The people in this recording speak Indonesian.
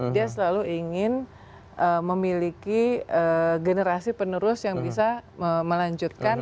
dia selalu ingin memiliki generasi penerus yang bisa melanjutkan